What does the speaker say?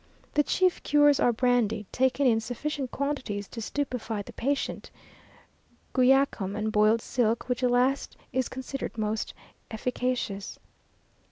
The chief cures are brandy, taken in sufficient quantities to stupefy the patient, guyacum and boiled silk, which last is considered most efficacious.